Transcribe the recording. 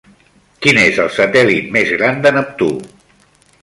Quin és el satèl·lit més gran de Neptú?